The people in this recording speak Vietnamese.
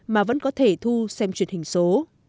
mà vẫn có thể thu xem truyền hình số